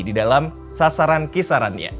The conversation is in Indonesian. di dalam sasaran kisarannya